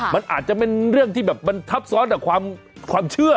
มันอาจจะเป็นเรื่องที่แบบมันทับซ้อนกับความเชื่อ